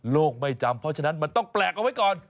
ไม่จำเพราะฉะนั้นมันต้องแปลกเอาไว้ก่อน